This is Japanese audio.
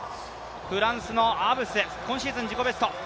フランスのアブス、今シーズン自己ベスト。